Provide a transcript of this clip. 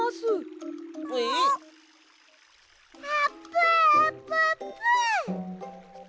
あっぷあっぷっぷ！